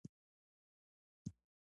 ستوني غرونه د افغانستان د بڼوالۍ برخه ده.